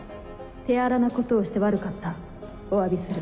手荒なことをして悪かったおわびする。